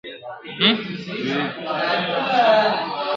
بزګر وویل خبره دي منمه !.